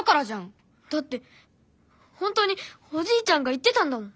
だって本当におじいちゃんが言ってたんだもん！